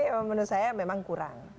menurut saya memang kurang